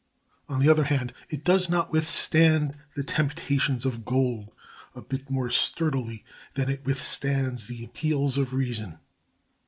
On the other hand, it does not withstand the temptations of gold a bit more sturdily than it withstands the appeals of reason.